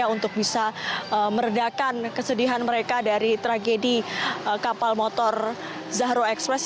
untuk bisa meredakan kesedihan mereka dari tragedi kapal motor zahro express